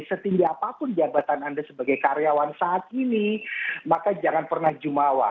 setinggi apapun jabatan anda sebagai karyawan saat ini maka jangan pernah jumawa